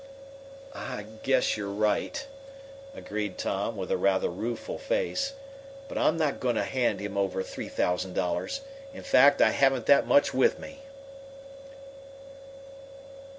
"I guess you're right," agreed Tom, with a rather rueful face. "But I'm not going to hand him over three thousand dollars. In fact, I haven't that much with me."